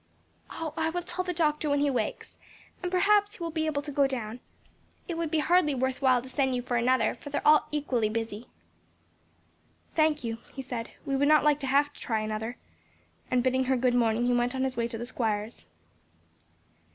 "I will tell the doctor when he wakes, and perhaps he will be able to go down. It would hardly be worth while to send you for another, for they're all equally busy." "Thank you," he said, "we would not like to have to try another," and bidding her good morning, he went on his way to the Squire's.